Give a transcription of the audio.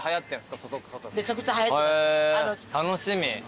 楽しみ。